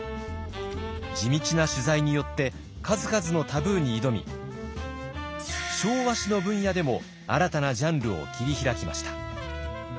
地道な取材によって数々のタブーに挑み昭和史の分野でも新たなジャンルを切り開きました。